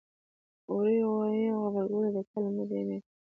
وری ، غوایی او غبرګولی د کال لومړۍ درې میاتشې دي.